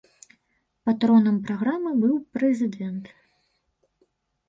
Патронам праграмы быў прэзідэнт.